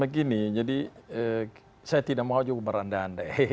begini jadi saya tidak mau juga berandai andai